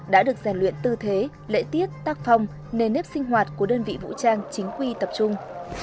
đã được rèn luyện tư thế lễ tiết tác phong nền nếp sinh hoạt của đơn vị vũ trang chính quy tập trung